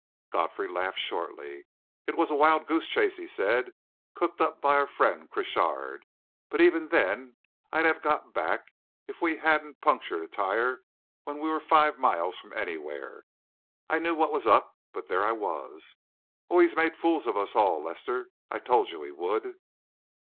Godfrey laughed shortly. "It was a wild goose chase," he said, "cooked up by our friend Crochard. But even then, I'd have got back, if we hadn't punctured a tire when we were five miles from anywhere. I knew what was up but there I was. Oh, he's made fools of us all, Lester. I told you he would!"